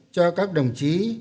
cho các đồng chí